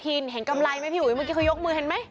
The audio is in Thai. ยกมือในอนุทินแห่งกำไรไหมพี่อุ๊ยเมื่อกี้เค้ายกมือเห็นไหม